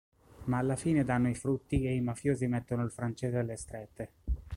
Ma alla fine danno i frutti e i mafiosi mettono il francese alle strette.